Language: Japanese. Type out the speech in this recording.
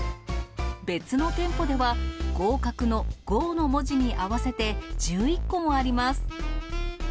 別の店舗では、合格の合の文字に合わせて、１１個もあります。